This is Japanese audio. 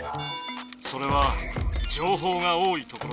「それはじょうほうが多いところだ」。